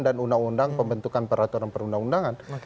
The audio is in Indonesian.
dan undang undang pembentukan peraturan perundang undangan